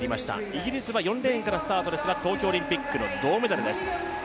イギリスは４レーンからスタートですが東京オリンピックの銅メダルです。